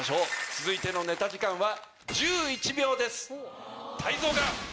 続いてのネタ時間は。